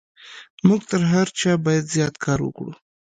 موږ تر هر چا بايد زيات کار وکړو.